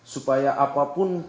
supaya apapun kejadian